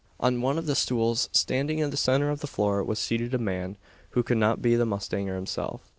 On one of the stools standing in the centre of the floor was seated a man, who could not be the mustanger himself.